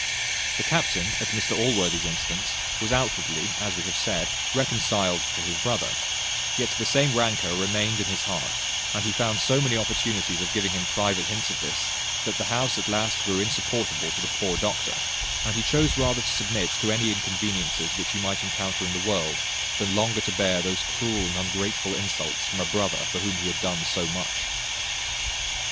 The captain, at Mr Allworthy's instance, was outwardly, as we have said, reconciled to his brother; yet the same rancour remained in his heart; and he found so many opportunities of giving him private hints of this, that the house at last grew insupportable to the poor doctor; and he chose rather to submit to any inconveniences which he might encounter in the world, than longer to bear these cruel and ungrateful insults from a brother for whom he had done so much.